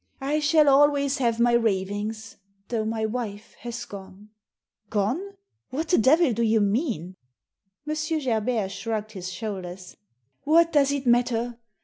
"I shall always have my ravings, though my wife has gone." " Gone ? What the devil do you mean ?" M. Gerbert shrugged his shoulders. " What does it matter?